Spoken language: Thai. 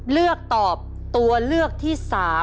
เลือกตอบตัวเลือกที่๓